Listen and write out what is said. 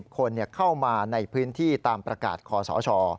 คนเข้ามาในพื้นที่ตามประกาศคอสช